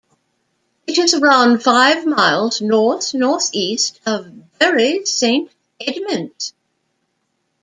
It is around five miles north-north-east of Bury Saint Edmunds.